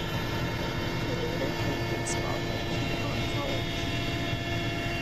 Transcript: He later played baseball for Piedmont College.